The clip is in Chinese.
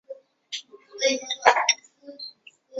嘉庆四年出督福建学政。